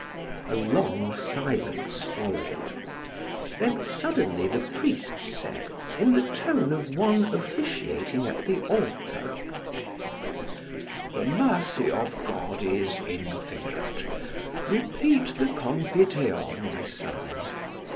A long silence followed. Then suddenly the priest said, in the tone of one officiating at the altar: "The mercy of God is infinite; repeat the 'Confiteor,' my son.